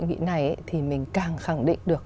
nghị này thì mình càng khẳng định được